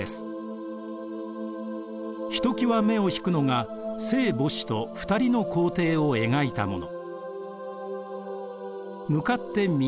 ひときわ目を引くのが聖母子と２人の皇帝を描いたもの。